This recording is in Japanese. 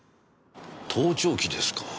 盗聴器ですか。